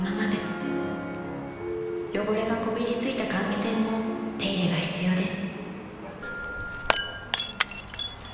［汚れがこびりついた換気扇も手入れが必要です］